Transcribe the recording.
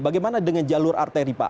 bagaimana dengan jalur arteri pak